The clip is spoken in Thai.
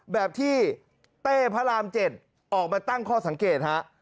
แบบที่เต้พระราม๗ออกมาตั้งข้อสังเกตฮะ